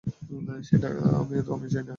সেটা তো আমিও চাই না।